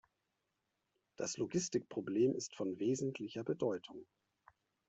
Das Logistikproblem ist von wesentlicher Bedeutung.